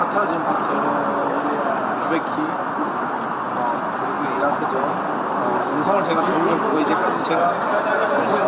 tapi ada bantuan dari pak erik dan dukungan dari masyarakat indonesia